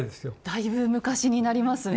だいぶ昔になりますね。